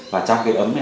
và trong cái ấm này